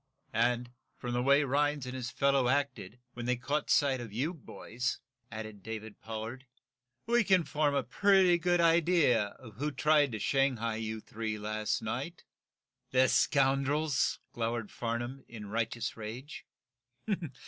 "And, from the way Rhinds and his fellow acted, when they caught sight of you boys," added David Pollard, "we can form a pretty good idea of who tried to shanghai you three last night." "The scoundrels!" glowered Farnum, in righteous rage.